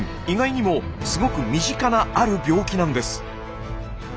意外にもすごく身近なある病気なんです。